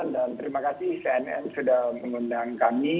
dan terima kasih cnn sudah mengundang kami